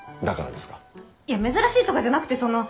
いや珍しいとかじゃなくてその。